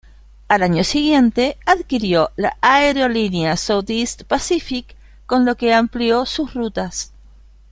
Al año siguiente adquirió la aerolínea Southeast Pacific, con lo que amplió sus rutas.